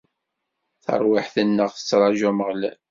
Tarwiḥt-nneɣ tettraǧu Ameɣlal.